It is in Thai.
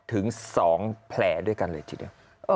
ถึง๒แผลด้วยกันเลยจริง